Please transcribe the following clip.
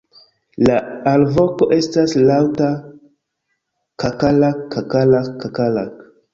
La alvoko estas laŭta "kakalak-kakalak-kakalak".